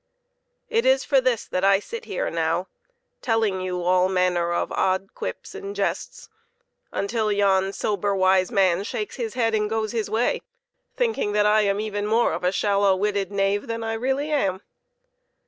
It is for this that I sit here now, telling you all manner of odd quips and jests until yon sober, wise man shakes his head and goes his way, thinking that I am even more of a shallow witted knave than I really am.